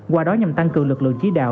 qua đó nhằm tăng cường lực lượng chí đạo